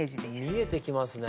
見えてきますね。